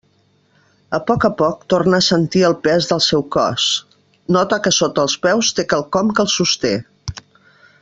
A poc a poc torna a sentir el pes del seu cos, nota que sota els peus té quelcom que el sosté.